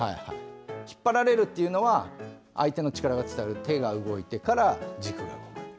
引っ張られるというのは相手の力が伝わって手が動いてから軸が動く。